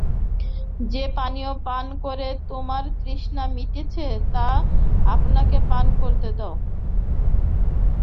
যে পানীয় পান করে তোমার তৃষ্ণা মিটেছে, তা অপরকে পান করতে দাও।